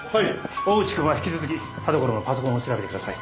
大内くんは引き続き田所のパソコンを調べてください。